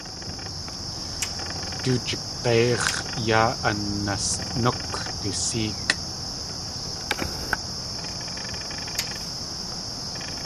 Du jig̲eix̲ yaa anasnúk du séekʼ.